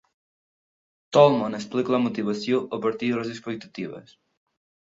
Tolman explica la motivació a partir de les expectatives.